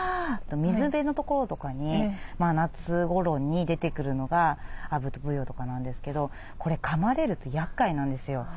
水辺の所とかに夏ごろに出てくるのがアブとブヨとかなんですけどこれかまれるとやっかいなんですよ。